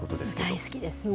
大好きです。